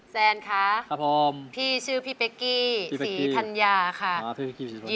แซ่นคะครับผมพี่ชื่อพี่เป๊กกี้สีธัญญาค่ะพี่เป๊กกี้สีธัญญา